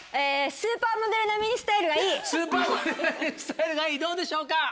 スーパーモデル並みにスタイルがいいどうでしょうか？